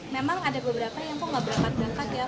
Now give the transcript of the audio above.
memang ada beberapa yang kok nggak berangkat berangkat ya